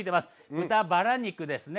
豚バラ肉ですね。